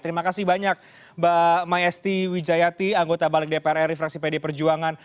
terima kasih banyak mbak maesti wijayati anggota balik dpr ri fraksi pd perjuangan